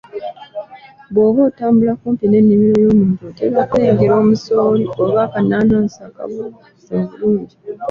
Bw'oba otambula kumpi n'ennimiro y'omuntu otera okulengera omusooli oba akanaanansi akabuulukuse obulungi